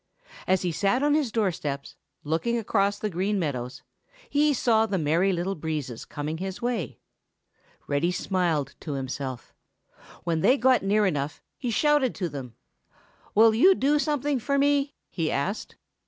As he sat on his door steps, looking across the Green Meadows, he saw the Merry Little Breezes coming his way. Reddy smiled to himself. When they got near enough, he shouted to them. "Will you do something for me?" he asked.